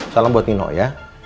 salam buat nino ya